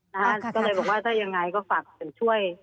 ก็เลยบอกว่าถ้ายังไงก็ฝากจะช่วย